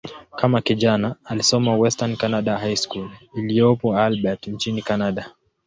Kama kijana, alisoma "Western Canada High School" iliyopo Albert, nchini Kanada.